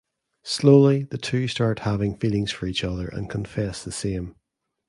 Slowly the two start having feelings for each other and confess the same.